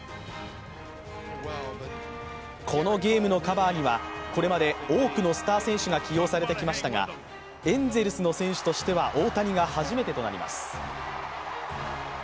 このゲームのカバーにはこれまで多くのスター選手が起用されてきましたがエンゼルスの選手としては大谷が初めてとなります。